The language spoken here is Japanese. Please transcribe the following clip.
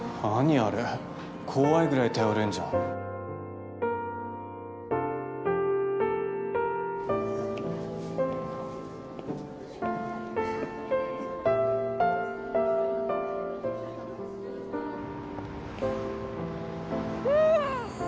あれ怖いぐらい頼れんじゃんうーん！